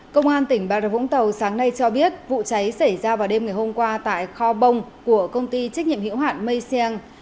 công an tỉnh bà rập vũng tàu sáng nay cho biết vụ cháy xảy ra vào đêm ngày hôm qua tại kho bông của công ty trách nhiệm hiệu hạn mây siêng